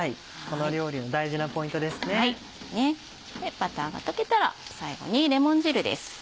バターが溶けたら最後にレモン汁です。